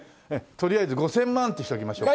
とりあえず５０００万ってしときましょうか。